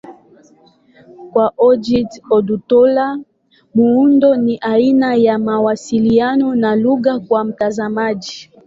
Kwa Ojih Odutola, muundo ni aina ya mawasiliano na lugha kwa mtazamaji.